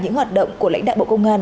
những hoạt động của lãnh đạo bộ công an